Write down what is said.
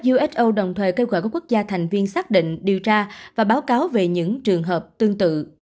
uso đồng thời kêu gọi các quốc gia thành viên xác định điều tra và báo cáo về những trường hợp tương tự